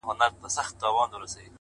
ما ويل وېره مي پر زړه پرېوته;